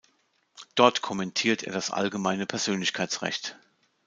Dort kommentiert er das Allgemeine Persönlichkeitsrecht.